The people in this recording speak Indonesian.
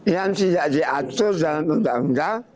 yang tidak diatur dalam undang undang